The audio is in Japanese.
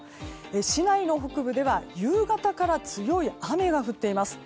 市内の北部では夕方から強い雨が降っています。